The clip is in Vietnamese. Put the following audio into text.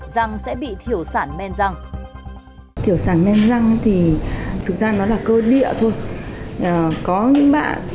răng sẽ bị thiểu sản men răng thiểu sản men răng thì thực ra nó là cơ địa thôi có những bạn